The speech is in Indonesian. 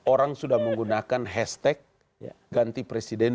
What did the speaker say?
orang sudah menggunakan hashtag ganti presiden dua ribu sembilan belas